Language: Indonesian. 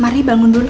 mari bangun dulu